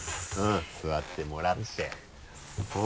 座ってもらって。